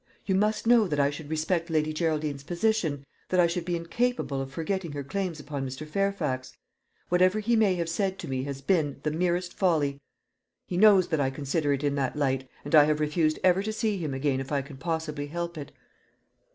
"You must know that I should respect Lady Geraldine's position that I should be incapable of forgetting her claims upon Mr. Fairfax. Whatever he may have said to me has been, the merest folly. He knows that I consider it in that light, and I have refused ever to see him again if I can possibly help it."